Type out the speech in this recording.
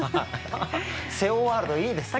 瀬尾ワールドいいですね。